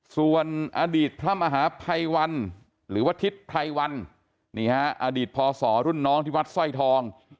ส่วนอดีตพระมหาภัยวันหรือว่าทิศไพรวันนี่ฮะอดีตพศรุ่นน้องที่วัดสร้อยทอง